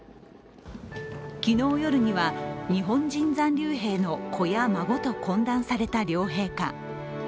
昨日夜には日本人残留兵の子や孫と懇談された両陛下。